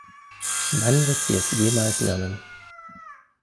Wann wird sie es jemals lernen?